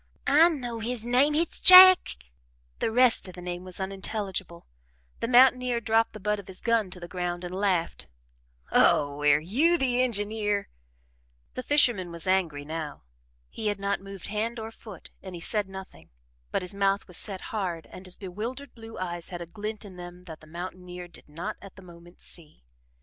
"I know his name, hit's Jack " the rest of the name was unintelligible. The mountaineer dropped the butt of his gun to the ground and laughed. [Illustration: "Don't, Dad!" shrieked a voice from the bushes, 0034] "Oh, air YOU the engineer?" The fisherman was angry now. He had not moved hand or foot and he said nothing, but his mouth was set hard and his bewildered blue eyes had a glint in them that the mountaineer did not at the moment see.